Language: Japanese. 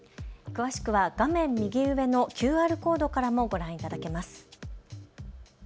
詳しくは画面右上のＱＲコードからもご覧いただけます。